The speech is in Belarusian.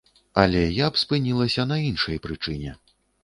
Але я б спынілася на іншай прычыне.